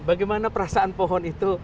bagaimana perasaan pohon itu